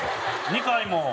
２回も。